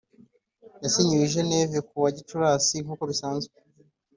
yasinyiwe i Gen ve kuwa Gicurasi nk uko bisanzwe